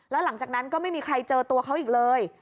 แล้วหลังจากนั้นก็ไม่มีใครเจอตัวเขาอีกเลย